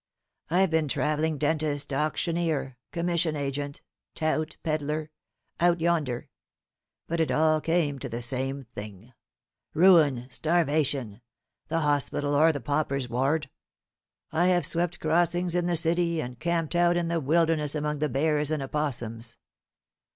I've been travelling dentist, auctioneer, commission agent, tout, pedlar, out yonder; but it all came to the same thing ruin, starvation, the hospital, or the pauper's ward. I have swept crossings in the city, and camped out in the wilderness among the bears and opossums.